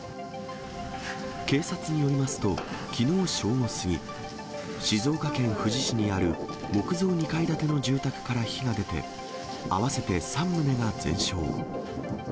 警察によりますと、きのう正午過ぎ、静岡県富士市にある木造２階建ての住宅から火が出て、合わせて３棟が全焼。